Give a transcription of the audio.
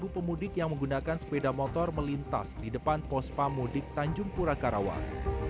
tujuh pemudik yang menggunakan sepeda motor melintas di depan pospa mudik tanjung pura karawang